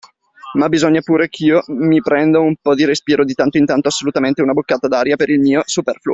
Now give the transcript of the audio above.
Ma bisogna pure ch'io mi prenda un po' di respiro di tanto in tanto, assolutamente, una boccata d'aria per il mio superfluo;